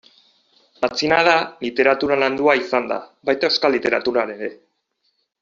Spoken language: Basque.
Matxinada literaturan landua izan da, baita euskal literaturan ere.